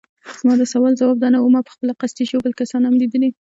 زما د سوال ځواب دا نه وو، ما پخپله قصدي ژوبل کسان هم لیدلي.